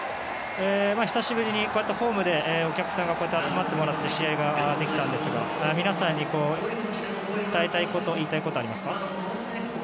久しぶりに、ホームでお客さんに集まってもらって試合ができたんですが皆さんに伝えたいこと、言いたいことはありますか。